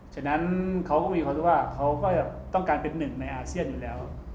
ฉะนั้นเขาก็มีความรู้สึกว่าเขาก็ต้องการเป็นหนึ่งในอาเซียนอยู่แล้ว